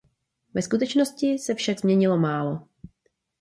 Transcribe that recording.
Ve skutečnosti se však změnilo málo.